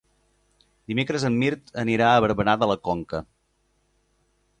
Dimecres en Mirt anirà a Barberà de la Conca.